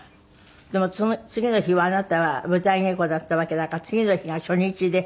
でもその次の日はあなたは舞台稽古だったわけだから次の日が初日で。